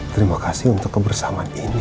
terima kasih untuk kebersamaan ini